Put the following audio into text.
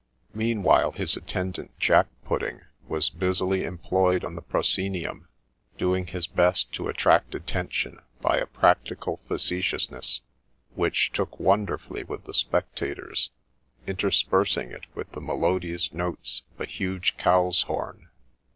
Meanwhile his attendant Jack pudding was busily employed on the proscenium, doing his best to attract attention by a practical facetiousness which took wonderfully with the spectators, interspersing it with the melodious notes of a huge cow's horn.